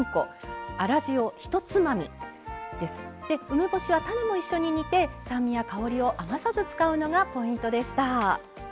梅干しは種も一緒に煮て酸味や香りを余さず使うのがポイントでした。